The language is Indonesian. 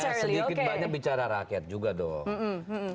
saya sedikit banyak bicara rakyat juga dong